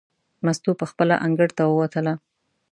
مستو پخپله انګړ ته ووتله.